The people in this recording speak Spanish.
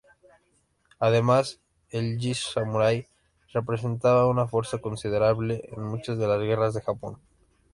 Además, el "Ji-samurái" representaba una fuerza considerable en muchas de las guerras de Japón.